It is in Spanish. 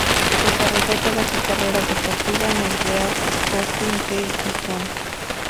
Desarrolló toda su carrera deportiva en el Real Sporting de Gijón.